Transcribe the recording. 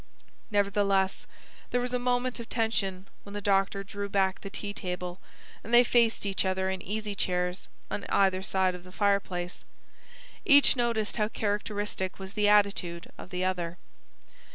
Nevertheless, there was a moment of tension when the doctor drew back the tea table and they faced each other in easy chairs on either side of the fireplace. Each noticed how characteristic was the attitude of the other.